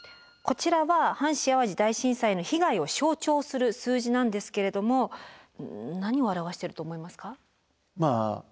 こちらは阪神・淡路大震災の被害を象徴する数字なんですけれども何を表してると思いますか？